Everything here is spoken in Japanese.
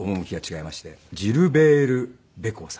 ジルベール・ベコーさん。